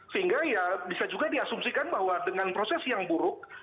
sehingga ya bisa juga diasumsikan bahwa dengan proses yang buruk